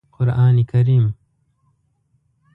قرآن کریم